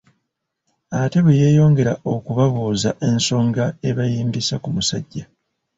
Ate bwe yeeyongera okubabuuza ensonga ebayimbisaa ku musajja